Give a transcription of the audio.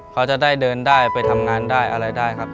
เขาจะได้เดินได้ไปทำงานได้อะไรได้ครับ